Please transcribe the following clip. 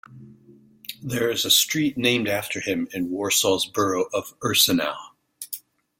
There is a street named after him in Warsaw's borough of Ursynow.